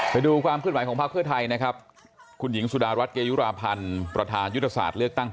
ก่อนที่ทั้งคู่จะลงมาถ่ายรูปกับประชาชนนะครับ